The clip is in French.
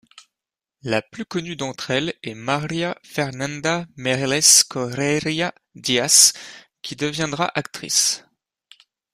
La plus connue d'entre elles est Maria Fernanda Meireles Correia Dias, qui deviendra actrice.